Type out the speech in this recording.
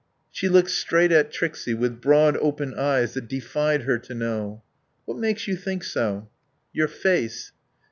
She looked straight at Trixie, with broad, open eyes that defied her to know. "What makes you think so?" "Your face."